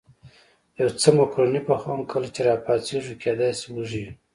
یو څه مکروني پخوم، کله چې را پاڅېږو کېدای شي وږي یو.